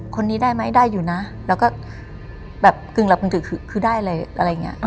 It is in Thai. คนนี้ได้ไหมได้อยู่นะแล้วก็แบบกึ่งหลับกึ่งคือได้เลยอะไรอย่างนี้